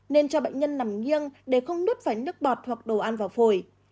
nên cho bệnh nhân nằm nghiêng để không nuốt phải nước bọt hoặc đồ ăn vào phổi